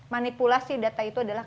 manipulasi data itu adalah